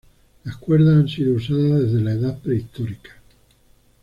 Las cuerdas han sido usadas desde la edad prehistórica.